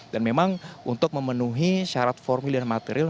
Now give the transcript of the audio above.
dan memang untuk memenuhi syarat formil dan material